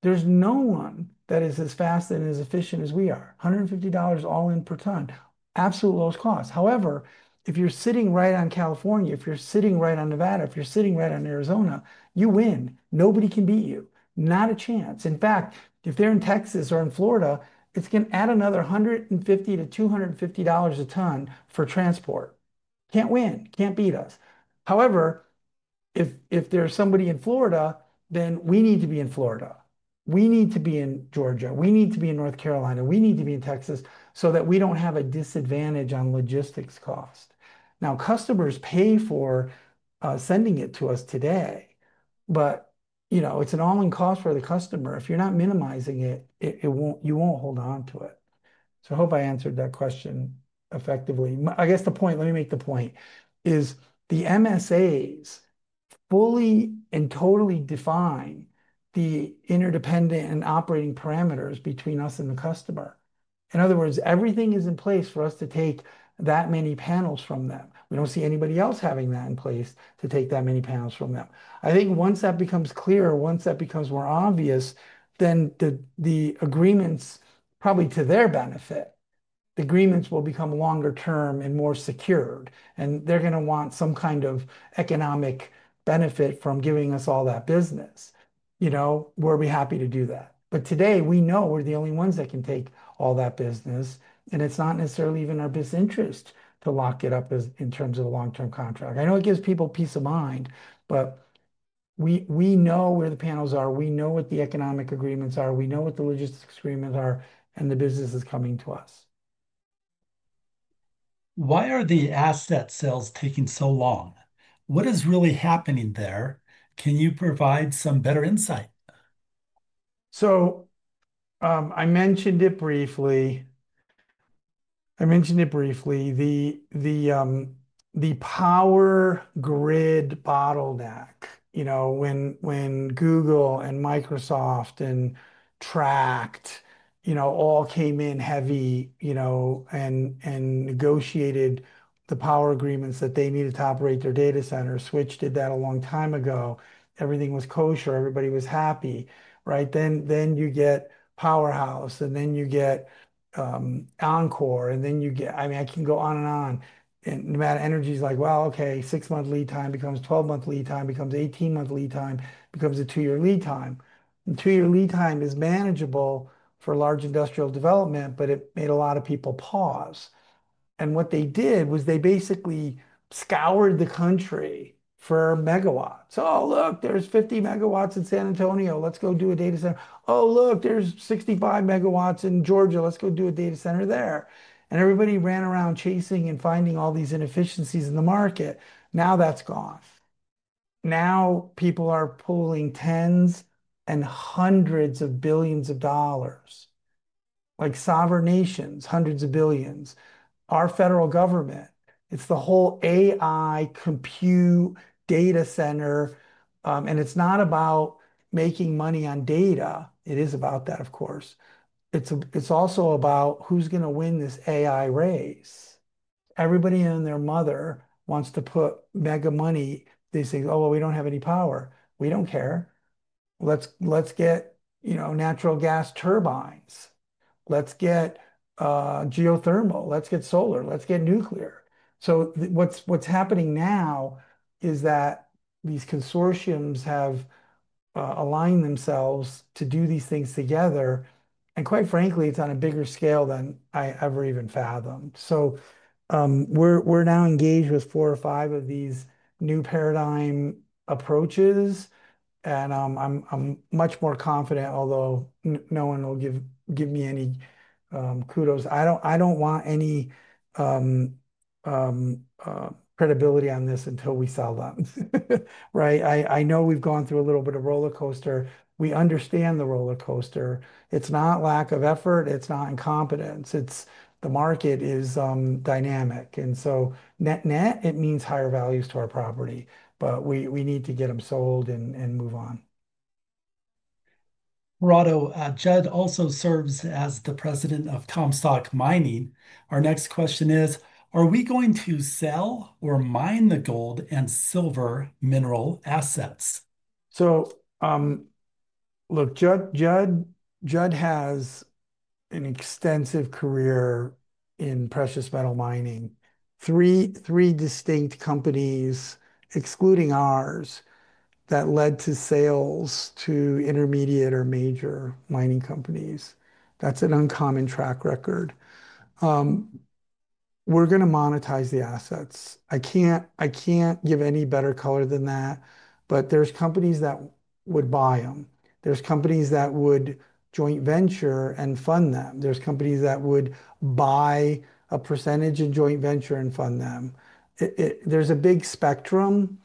There is no one that is as fast and as efficient as we are. $150 all in per ton. Absolute lowest cost. However, if you are sitting right on California, if you are sitting right on Nevada, if you are sitting right on Arizona, you win. Nobody can beat you. Not a chance. In fact, if they are in Texas or in Florida, it is going to add another $150-$250 a ton for transport. Cannot win. Can't beat us. However, if there's somebody in Florida, then we need to be in Florida. We need to be in Georgia. We need to be in North Carolina. We need to be in Texas so that we don't have a disadvantage on logistics cost. Customers pay for sending it to us today, but you know, it's an all-in cost for the customer. If you're not minimizing it, you won't hold on to it. I hope I answered that question effectively. I guess the point, let me make the point, is the MSAs fully and totally define the interdependent and operating parameters between us and the customer. In other words, everything is in place for us to take that many panels from them. We don't see anybody else having that in place to take that many panels from them. I think once that becomes clearer, once that becomes more obvious, the agreements, probably to their benefit, the agreements will become longer-term and more secured. They're going to want some kind of economic benefit from giving us all that business. You know, we'll be happy to do that. Today, we know we're the only ones that can take all that business. It's not necessarily even our best interest to lock it up in terms of a long-term contract. I know it gives people peace of mind, but we know where the panels are. We know what the economic agreements are. We know what the logistics agreements are. The business is coming to us. Why are the asset sales taking so long? What is really happening there? Can you provide some better insight? I mentioned it briefly. The power grid bottleneck, you know, when Google and Microsoft and Tract all came in heavy and negotiated the power agreements that they needed to operate their data centers. Switch did that a long time ago. Everything was kosher. Everybody was happy, right? You get Powerhouse. You get Encore. I can go on and on. Nevada Energy is like, okay, six-month lead time becomes 12-month lead time becomes 18-month lead time becomes a two-year lead time. The two-year lead time is manageable for large industrial development, but it made a lot of people pause. What they did was they basically scoured the country for megawatts. Oh, look, there's 50 MW in San Antonio. Let's go do a data center. Oh, look, there's 65 MW in Georgia. Let's go do a data center there. Everybody ran around chasing and finding all these inefficiencies in the market. Now that's gone. Now people are pulling tens and hundreds of billions of dollars. Like sovereign nations, hundreds of billions. Our federal government, it's the whole AI compute data center. It's not about making money on data. It is about that, of course. It's also about who's going to win this AI race. Everybody and their mother wants to put mega money, these things. Oh, we don't have any power. We don't care. Let's get natural gas turbines. Let's get geothermal. Let's get solar. Let's get nuclear. What's happening now is that these consortiums have aligned themselves to do these things together. Quite frankly, it's on a bigger scale than I ever even fathomed. We're now engaged with four or five of these new paradigm approaches. I'm much more confident, although no one will give me any kudos. I don't want any credibility on this until we sell them. I know we've gone through a little bit of a roller coaster. We understand the roller coaster. It's not lack of effort. It's not incompetence. The market is dynamic. Net-net, it means higher values to our property. We need to get them sold and move on. Corrado, Judd also serves as the President of Comstock Mining. Our next question is, are we going to sell or mine the gold and silver mineral assets? Jud has an extensive career in precious metal mining. Three distinct companies, excluding ours, that led to sales to intermediate or major mining companies. That's an uncommon track record. We're going to monetize the assets. I can't give any better color than that. There are companies that would buy them. There are companies that would joint venture and fund them. There are companies that would buy a percentage and joint venture and fund them. There's a big spectrum.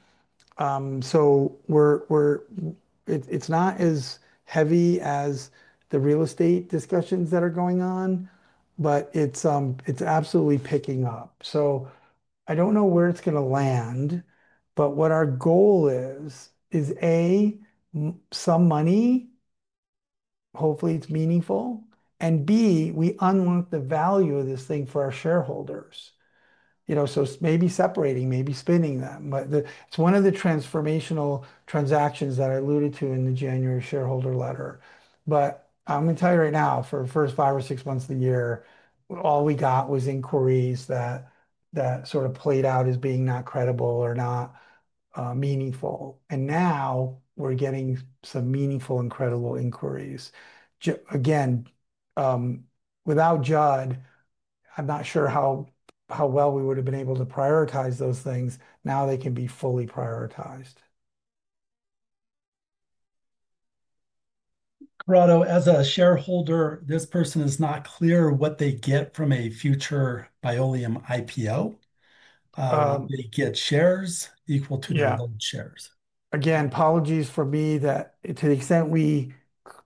It is not as heavy as the real estate discussions that are going on, but it is absolutely picking up. I don't know where it's going to land, but what our goal is, is A, some money, hopefully it's meaningful, and B, we unlock the value of this thing for our shareholders. Maybe separating, maybe spinning them. It is one of the transformational transactions that I alluded to in the January shareholder letter. I'm going to tell you right now, for the first five or six months of the year, all we got was inquiries that played out as being not credible or not meaningful. Now we're getting some meaningful and credible inquiries. Again, without Judd, I'm not sure how well we would have been able to prioritize those things. Now they can be fully prioritized. Corrado, as a shareholder, this person is not clear what they get from a future Bioleum IPO. They get shares equal to total shares. Again, apologies for me that to the extent we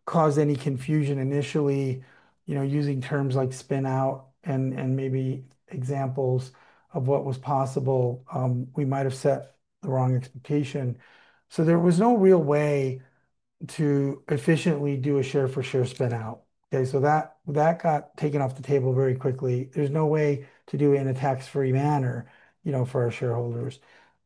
caused any confusion initially, using terms like spin-out and maybe examples of what was possible, we might have set the wrong expectation. There was no real way to efficiently do a share-for-share spin-out. That got taken off the table very quickly. There is no way to do it in a tax-free manner for our shareholders.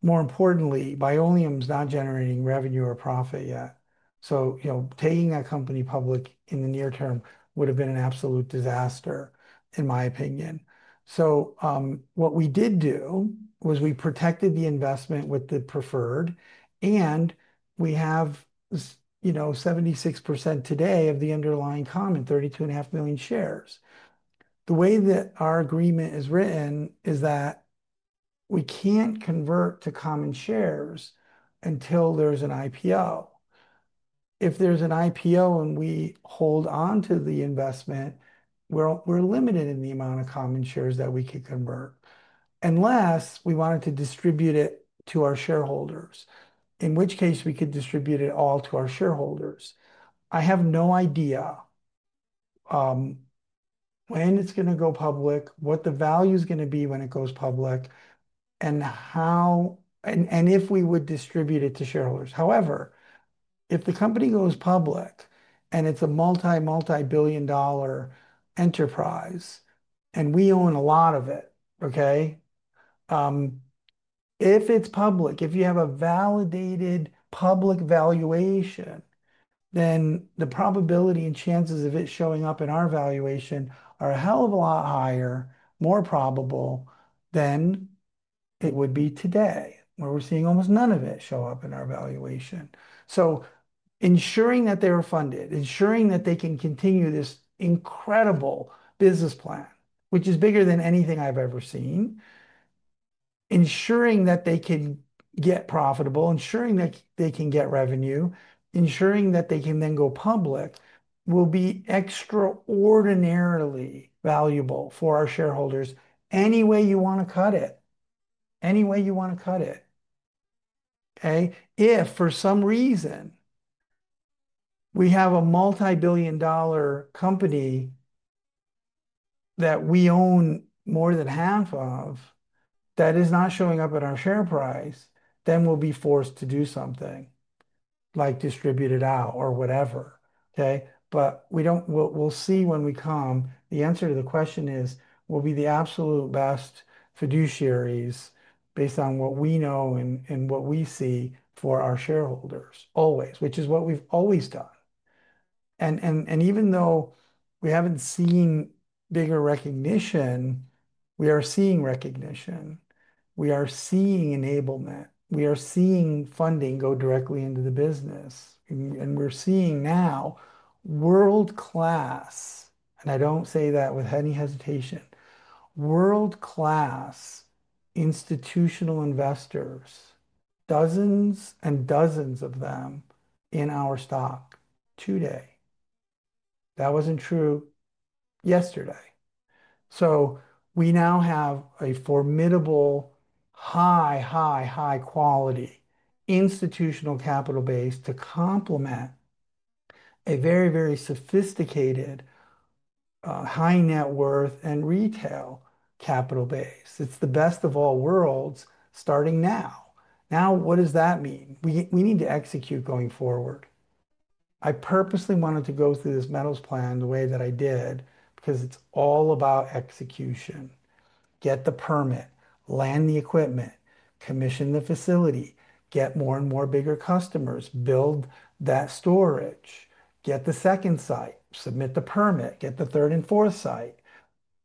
More importantly, Bioleum's not generating revenue or profit yet. Taking that company public in the near term would have been an absolute disaster, in my opinion. What we did do was we protected the investment with the preferred, and we have 76% today of the underlying common, 32.5 million shares. The way that our agreement is written is that we can't convert to common shares until there's an IPO. If there's an IPO and we hold on to the investment, we're limited in the amount of common shares that we could convert, unless we wanted to distribute it to our shareholders, in which case we could distribute it all to our shareholders. I have no idea when it's going to go public, what the value is going to be when it goes public, and how, and if we would distribute it to shareholders. However, if the company goes public and it's a multi, multi-billion dollar enterprise, and we own a lot of it, if it's public, if you have a validated public valuation, then the probability and chances of it showing up in our valuation are a hell of a lot higher, more probable than it would be today, where we're seeing almost none of it show up in our valuation. Ensuring that they're funded, ensuring that they can continue this incredible business plan, which is bigger than anything I've ever seen, ensuring that they can get profitable, ensuring that they can get revenue, ensuring that they can then go public, will be extraordinarily valuable for our shareholders any way you want to cut it, any way you want to cut it. If for some reason we have a multi-billion dollar company that we own more than half of that is not showing up in our share price, then we'll be forced to do something like distribute it out or whatever. We don't, we'll see when we come. The answer to the question is we'll be the absolute best fiduciaries based on what we know and what we see for our shareholders always, which is what we've always done. Even though we haven't seen bigger recognition, we are seeing recognition. We are seeing enablement. We are seeing funding go directly into the business. We're seeing now world-class, and I don't say that with any hesitation, world-class institutional investors, dozens and dozens of them in our stock today. That wasn't true yesterday. We now have a formidable high, high, high-quality institutional capital base to complement a very, very sophisticated high net worth and retail capital base. It's the best of all worlds starting now. What does that mean? We need to execute going forward. I purposely wanted to go through this metals plan the way that I did because it's all about execution. Get the permit, land the equipment, commission the facility, get more and more bigger customers, build that storage, get the second site, submit the permit, get the third and fourth site,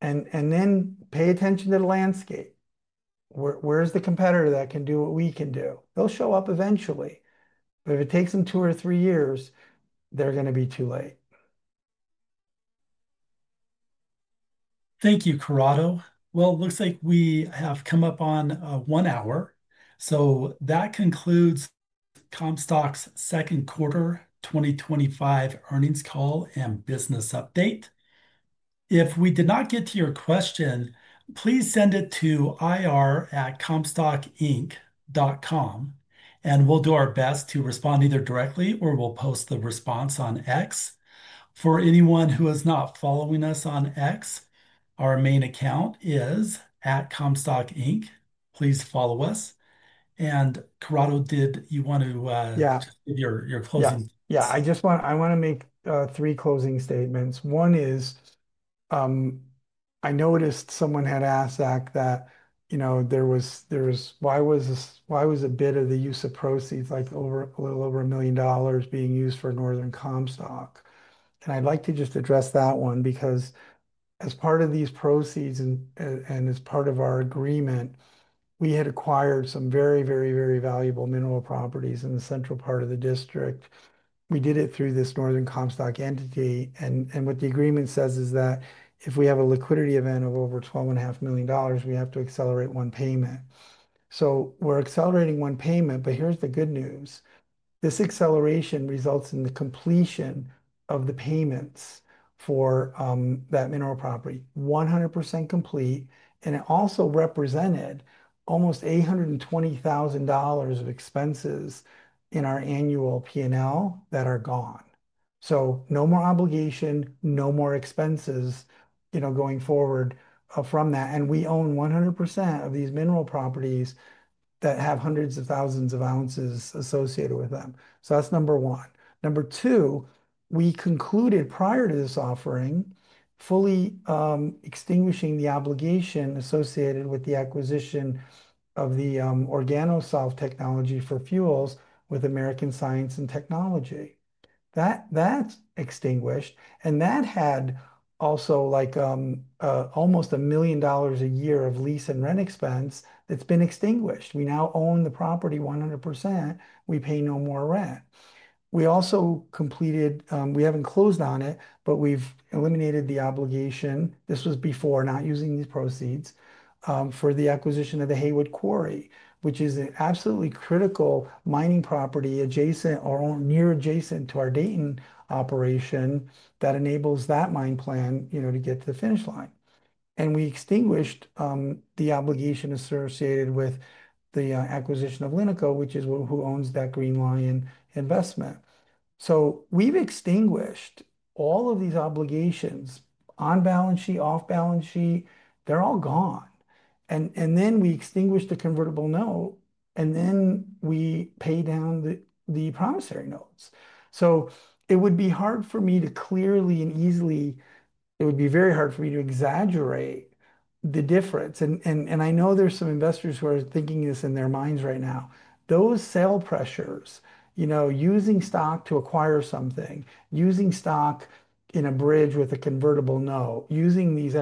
and then pay attention to the landscape. Where's the competitor that can do what we can do? They'll show up eventually. If it takes them two or three years, they're going to be too late. Thank you, Corrado. It looks like we have come up on one hour. That concludes Comstock Second Quarter 2025 Earnings Call and Business Update. If we did not get to your question, please send it to ir@comstockinc.com, and we'll do our best to respond either directly or we'll post the response on X. For anyone who is not following us on X, our main account is @ComstockInc. Please follow us. Corrado, did you want to, your closing? Yeah, I just want to make three closing statements. One is, I noticed someone had asked Zach that, you know, there was, there was why was a bit of the use of proceeds, like a little over $1 million being used for Northern Comstock. I'd like to just address that one because as part of these proceeds and as part of our agreement, we had acquired some very, very, very valuable mineral properties in the central part of the district. We did it through this Northern Comstock entity. What the agreement says is that if we have a liquidity event of over $12.5 million, we have to accelerate one payment. We're accelerating one payment, but here's the good news. This acceleration results in the completion of the payments for that mineral property, 100% complete. It also represented almost $820,000 of expenses in our annual P&L that are gone. No more obligation, no more expenses going forward from that. We own 100% of these mineral properties that have hundreds of thousands of ounces associated with them. That's number one. Number two, we concluded prior to this offering, fully extinguishing the obligation associated with the acquisition of the Organosolv technology for fuels with American Science and Technology. That's extinguished. That had also like almost $1 million a year of lease and rent expense that's been extinguished. We now own the property 100%. We pay no more rent. We also completed, we haven't closed on it, but we've eliminated the obligation. This was before, not using these proceeds, for the acquisition of the Haywood Quarry, which is an absolutely critical mining property adjacent or near adjacent to our Dayton operation that enables that mine plan to get to the finish line. We extinguished the obligation associated with the acquisition of LiNiCo, which is who owns that Green Li-ion investment. We've extinguished all of these obligations on balance sheet, off balance sheet. They're all gone. We extinguish the convertible note, and then we pay down the promissory notes. It would be hard for me to clearly and easily, it would be very hard for me to exaggerate the difference. I know there's some investors who are thinking this in their minds right now. Those sale pressures, you know, using stock to acquire something, using stock in a bridge with a convertible note, using these,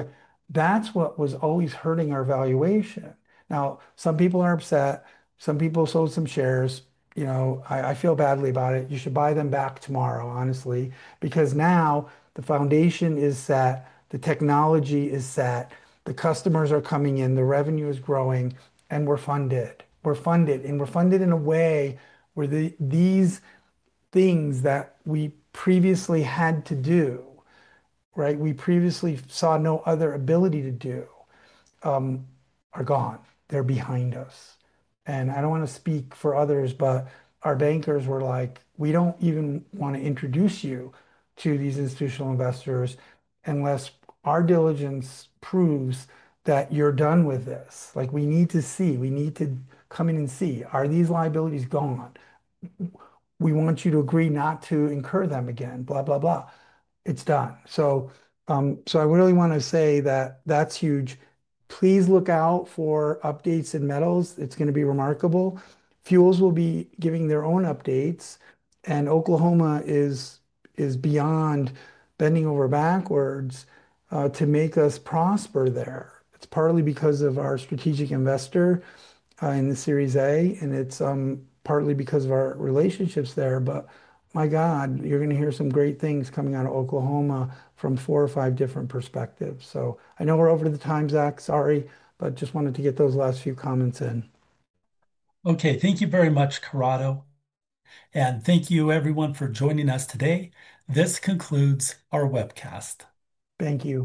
that's what was always hurting our valuation. Now, some people are upset. Some people sold some shares. I feel badly about it. You should buy them back tomorrow, honestly, because now the foundation is set. The technology is set. The customers are coming in. The revenue is growing. We're funded. We're funded. We're funded in a way where these things that we previously had to do, we previously saw no other ability to do, are gone. They're behind us. I don't want to speak for others, but our bankers were like, we don't even want to introduce you to these institutional investors unless our diligence proves that you're done with this. We need to see, we need to come in and see, are these liabilities gone? We want you to agree not to incur them again, blah, blah, blah. It's done. I really want to say that that's huge. Please look out for updates in metals. It's going to be remarkable. Fuels will be giving their own updates. Oklahoma is beyond bending over backwards to make us prosper there. It's partly because of our strategic investor in the Series A, and it's partly because of our relationships there. My God, you're going to hear some great things coming out of Oklahoma from four or five different perspectives. I know we're over the time, Zach, sorry, but just wanted to get those last few comments in. Okay, thank you very much, Corrado. Thank you, everyone, for joining us today. This concludes our webcast. Thank you.